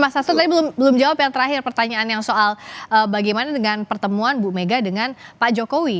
mas sastro tadi belum jawab yang terakhir pertanyaan yang soal bagaimana dengan pertemuan bu mega dengan pak jokowi